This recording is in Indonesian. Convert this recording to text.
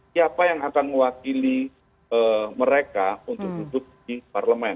siapa yang akan mewakili mereka untuk duduk di parlemen